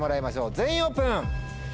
全員オープン！